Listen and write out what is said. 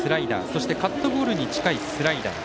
そして、カットボールに近いスライダー。